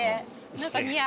何か似合う。